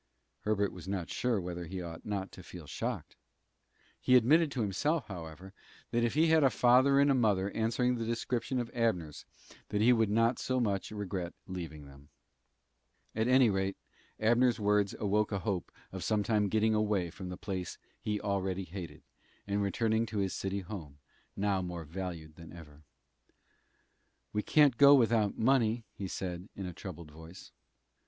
Herbert was not sure whether he ought not to feel shocked. He admitted to himself, however, that if he had a father and mother answering the description of Abner's, that he would not so much regret leaving them. At any rate, Abner's words awoke a hope of sometime getting away from the place he already hated, and returning to his city home, now more valued than ever. "We can't go without money," he said, in a troubled voice.